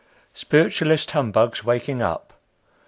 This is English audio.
SPIRITUALIST HUMBUGS WAKING UP.